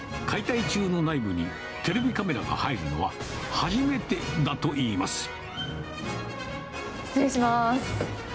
解体中のビルの内部にテレビカメラが入るのは初めてだといいます。